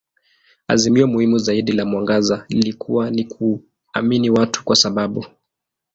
Azimio muhimu zaidi la mwangaza lilikuwa ni kuamini watu kwa sababu.